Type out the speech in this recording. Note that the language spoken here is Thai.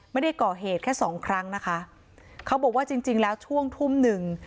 ไม่ได้ก่อเหตุแค่สองครั้งนะคะเขาบอกว่าจริงจริงแล้วช่วงทุ่มหนึ่ง